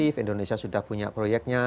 indonesia sudah punya proyeknya